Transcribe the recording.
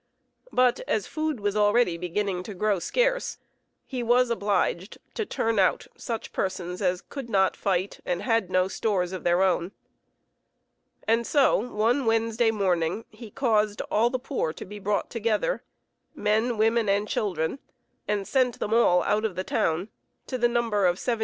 But as food was already beginning to grow scarce, he was obliged to turn out such persons as could not fight and had no stores of their own, and so one Wednesday morning he caused all the poor to be brought together, men, women, and children, and sent them all out of the town, to the number of 1,700.